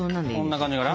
こんな感じかな？